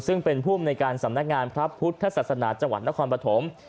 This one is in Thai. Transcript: ซึ่งเป็นผู้ในการสำนักงานครับพุทธศาสนาจวันต์นครปฐม